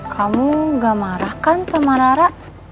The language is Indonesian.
kamu gak marah kan sama rara